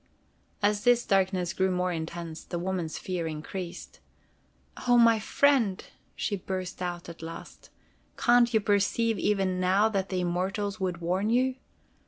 As this darkness grew more intense, the woman's fear increased. "Oh, my friend!" she burst out at last. "Can't you perceive even now that the Immortals would warn you?